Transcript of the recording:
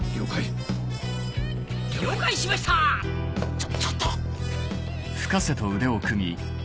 ちょちょっと！